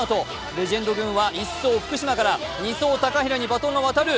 レジェンド軍は１走・福島から２走・高平にバトンが渡る。